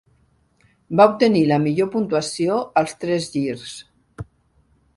Va obtenir la millor puntuació als tres girs.